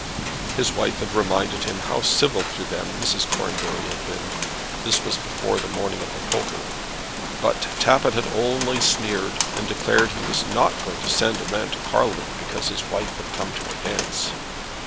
His wife had reminded him how civil to them Mrs. Cornbury had been; this was before the morning of the poker; but Tappitt had only sneered, and declared he was not going to send a man to Parliament because his wife had come to a dance.